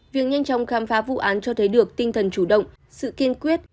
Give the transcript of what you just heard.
việc nhanh chóng khám phá vụ án cho thấy được tinh thần chủ động sự kiên quyết